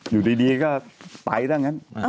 อยู่ดีก็ไปซะงั้น